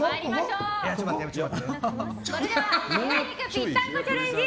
それでは牛肉ぴったんこチャレンジ